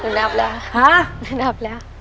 หนูนับแล้ว